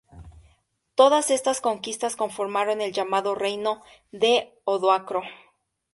Todas estas conquistas conformaron el llamado Reino de Odoacro.